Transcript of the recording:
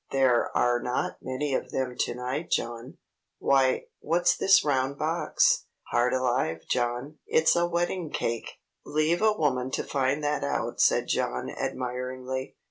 "There are not many of them to night, John. Why, what's this round box? Heart alive, John, it's a wedding cake!" "Leave a woman to find that out," said John admiringly.